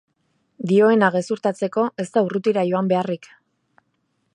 Dioena gezurtatzeko, ez da urrutira joan beharrik.